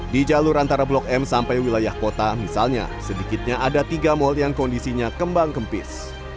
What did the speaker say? di jalur antara blok m sampai wilayah kota misalnya sedikitnya ada tiga mal yang kondisinya kembang kempis